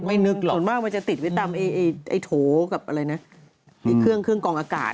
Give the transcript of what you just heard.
ไม่นึกหรอกส่วนมากมันจะติดไปตามโถกับเครื่องกองอากาศ